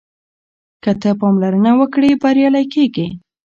که ته پاملرنه وکړې بریالی کېږې.